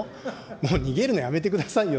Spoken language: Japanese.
もう逃げるのやめてくださいよ。